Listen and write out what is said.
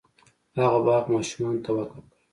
هغه باغ ماشومانو ته وقف کړ.